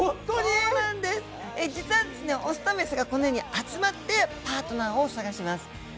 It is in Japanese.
オスとメスがこのように集まってパートナーを探します。